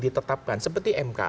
ditetapkan seperti mk